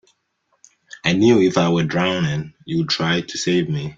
I knew if I were drowning you'd try to save me.